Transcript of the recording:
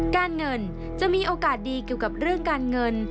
การเงินจะมีโอกาสดีเกี่ยวกับเรื่องการเงิน